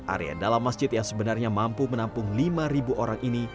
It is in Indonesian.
area dalam masjid yang sebenarnya mampu menampung lima orang ini